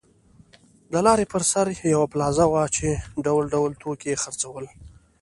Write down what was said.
د لارې پر سر یوه پلازه وه چې ډول ډول توکي یې خرڅول.